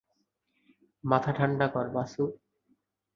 মাথা ঠান্ডা কর, বাসু।